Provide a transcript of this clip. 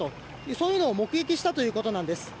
そういうのを目撃したということなんです。